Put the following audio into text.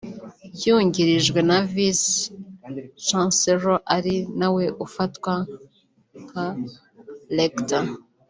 yungirijwe na Vice Chancellor ari na we ufatwa nka Recteur